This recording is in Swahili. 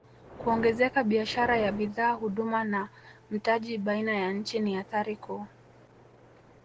Kuongezeka biashara ya bidhaa huduma na mtaji baina ya nchi ni athari kuu